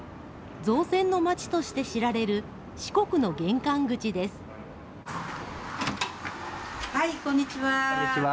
造船の町として知られる四国の玄こんにちは。